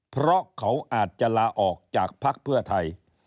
เพราะเขาอาจจะลาออกจากภักดิ์เพื่อไทย